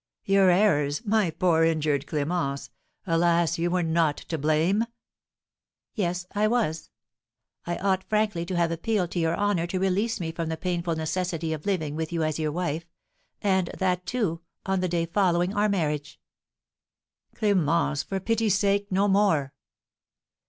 "Your errors, my poor injured Clémence! Alas, you were not to blame!" "Yes, I was. I ought frankly to have appealed to your honour to release me from the painful necessity of living with you as your wife; and that, too, on the day following our marriage, " "Clémence, for pity's sake no more!"